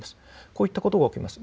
こういったことが起きます。